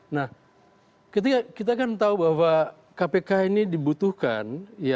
nah ketika kita kan tahu bahwa kpk ini dibutuhkan